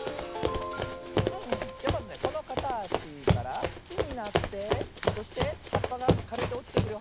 じゃまずねこのかたちからきになってそしてはっぱがかれておちてくるよ。